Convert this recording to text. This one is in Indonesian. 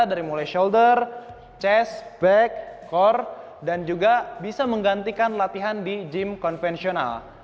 dari mulai shoulder chest back core dan juga bisa menggantikan latihan di gym konvensional